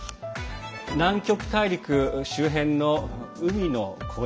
南極大陸周辺の海の氷